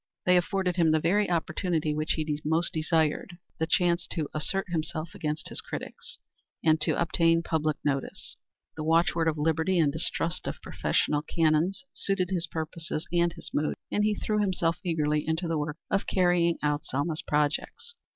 They afforded him the very opportunity which he most desired the chance to assert himself against his critics, and to obtain public notice. The watchword of liberty and distrust of professional canons suited his purposes and his mood, and he threw himself eagerly into the work of carrying out Selma's projects.